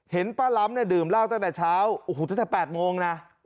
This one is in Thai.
ป้าล้ำเนี่ยดื่มเหล้าตั้งแต่เช้าโอ้โหตั้งแต่๘โมงนะ